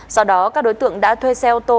do đó các đối tượng đã thuê xe ô tô